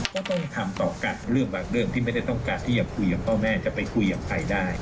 ก็ต้องทำต่อกันเรื่องบางเรื่องที่ไม่ได้ต้องการที่จะคุยกับพ่อแม่จะไปคุยกับใครได้